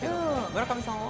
村上さんは？